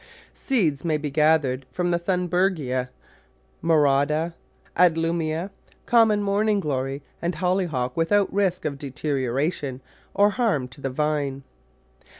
Seed may be gathered from the Thunbergia, Mau randya, Adlumia, common Morning glory and Holly hock without risk of deterioration or harm to the vine.